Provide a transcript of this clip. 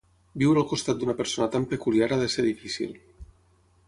Viure al costat d'una persona tan peculiar ha de ser difícil.